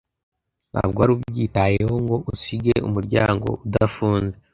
ntabwo wari ubyitayeho ngo usige umuryango udafunze